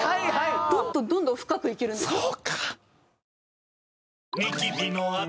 どんどんどんどん深くいけるんですよ。